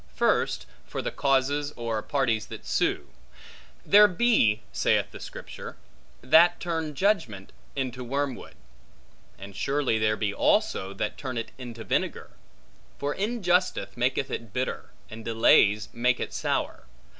First, for the causes or parties that sue. There be (saith the Scripture) that turn judgment, into wormwood; and surely there be also, that turn it into vinegar; for injustice maketh it bitter, and delays make it sour.